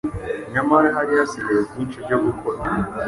nyamara hari hasigaye byinshi byo gukora